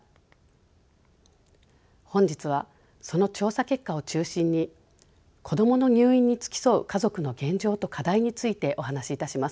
本日はその調査結果を中心に子どもの入院に付き添う家族の現状と課題についてお話しいたします。